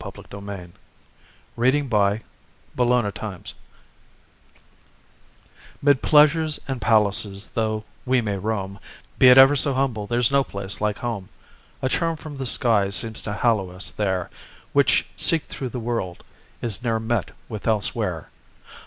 JOHN HOWARD PAYNE HOME, SWEET HOME Mid pleasures and palaces though we may roam, Be it ever so humble, there's no place like home; A charm from the sky seems to hallow us there, Which, seek through the world, is ne'er met with elsewhere.